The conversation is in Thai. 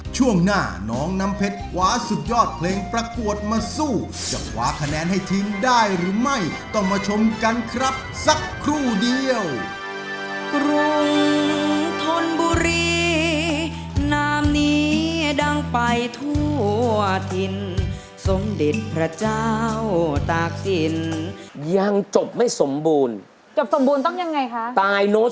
ขอบคุณครับท่านสาธารณะ